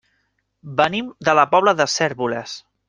Venim de la Pobla de Cérvoles.